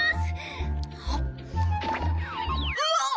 うわっ！